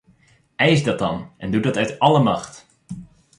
Eis dat dan, en doe dat uit alle macht.